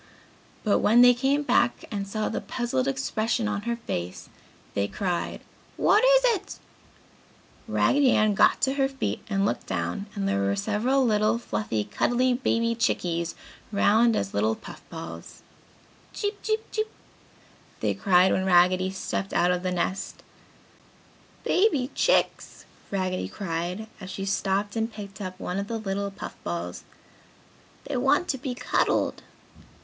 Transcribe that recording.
But when they came back and saw the puzzled expression on her face, they cried, "What is it?" Raggedy Ann got to her feet and looked down and there were several little fluffy, cuddly baby chickies, round as little puff balls. "Cheep! Cheep! Cheep!" they cried when Raggedy stepped out of the nest. "Baby Chicks!" Raggedy cried, as she stooped and picked up one of the little puff balls. "They want to be cuddled!"